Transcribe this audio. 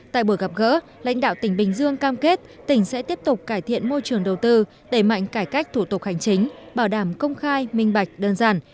tại buổi gặp gỡ lãnh đạo tỉnh bình dương cam kết tỉnh sẽ tiếp tục cải thiện môi trường đầu tư đẩy mạnh cải cách thủ tục hành chính bảo đảm công khai minh bạch đơn giản